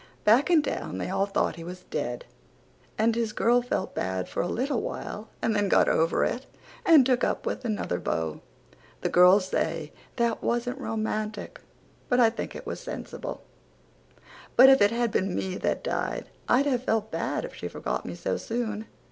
Back in town they all thought he was dead and his girl felt bad for a little while and then got over it and took up with another beau. The girls say that wasnt romantik but I think it was sensible but if it had been me that died I'd have felt bad if she forgot me so soon.